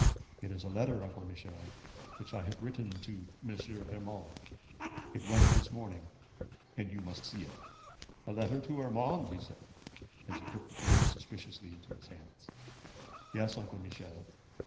'It is a letter, Uncle Michel, which I have written to M. Urmand. It went this morning, and you must see it.' 'A letter to Urmand,' he said, as he took the paper suspiciously into his hands. 'Yes, Uncle Michel.